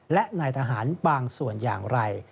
และนายทหารบางส่วนอย่างไร